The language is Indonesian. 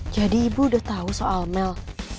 jadi ibu udah tau soal mel